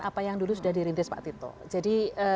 apa yang dulu sudah dirintis pak tito jadi